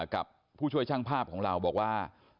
กับผู้ช่วยช่างภาพของเราบอกว่า